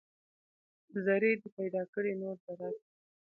له ذرې دې پیدا کړي نور ذرات دي